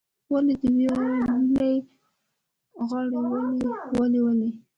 ولي، د ویالې د غاړې ونې ولې ولي؟